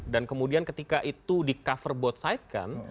dan kemudian ketika itu di cover both side kan